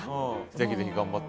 ぜひぜひ頑張って。